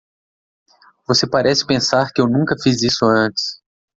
Você parece pensar que eu nunca fiz isso antes.